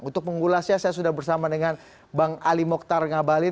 untuk pengulasnya saya sudah bersama dengan bang ali mokhtar ngabalin